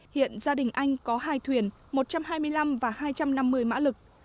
hiện gia đình anh có hai thuyền một trăm hai mươi năm và hai trăm năm mươi mã lực